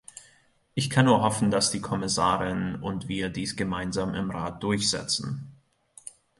Ich kann nur hoffen, dass die Kommissarin und wir dies gemeinsam im Rat durchsetzen.